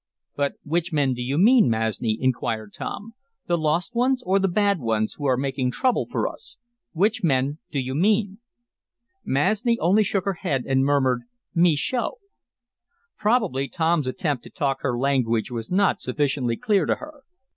"But which men do you mean, Masni?" inquired Tom. "The lost men, or the bad ones, who are making trouble for us? Which men do you mean?" Masni only shook her head, and murmured: "Me show." Probably Tom's attempt to talk her language was not sufficiently clear to her.